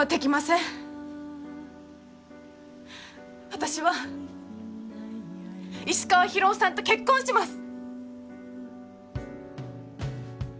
私は石川博夫さんと結婚します。